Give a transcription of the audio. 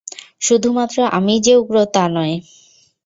শুধুমাত্র আমিই যে উগ্র তা নয়।